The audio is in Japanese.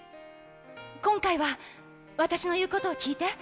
今回は私の言うことを聞いて。